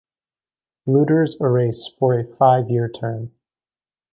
Luders Erase for a five-year term.